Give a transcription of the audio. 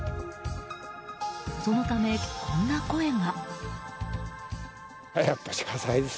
そのため、こんな声が。